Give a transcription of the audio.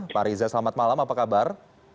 pak riza selamat malam apa kabar